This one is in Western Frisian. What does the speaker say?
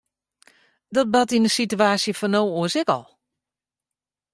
Dat bart yn de situaasje fan no oars ek al.